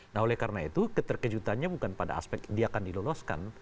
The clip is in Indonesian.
nah oleh karena itu keterkejutannya bukan pada aspek dia akan diloloskan